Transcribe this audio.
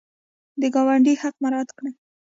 د ګاونډي حق مراعات کړئ